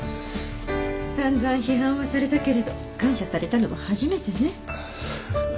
さんざん批判はされたけれど感謝されたのは初めてね。